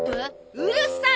うるさい！